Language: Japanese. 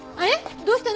どうしたの？